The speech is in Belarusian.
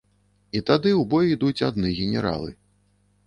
І тады ў бой ідуць адны генералы.